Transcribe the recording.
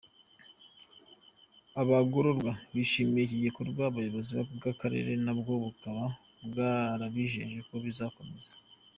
Abagororwa bishimiye iki gikorwa, ubuyobozi bw’Akarere na bwo bukaba bwarabijeje ko kizakomeza.